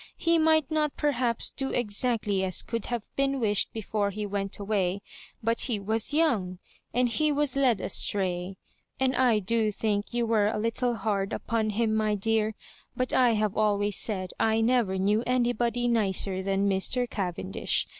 He might not per haps do exactly as could have been wished be fore he went away ; but he was young, and he was led astray ; and I do think you were a little hard upon him, my dear ; but I have always said I never knew anybody nicer than Mr. Cavendish.